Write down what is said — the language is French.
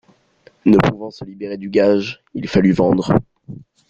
Ne pouvant se libérer du gage, il fallut vendre.